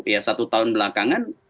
ya satu tahun belakangan